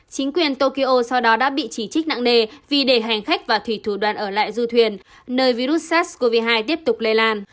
chính quyền tokyo sau đó đã bị chỉ trích nặng nề vì để hành khách và thủy thủ đoàn ở lại du thuyền nơi virus sars cov hai tiếp tục lây lan